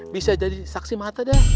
bisa jadi saksi mata dia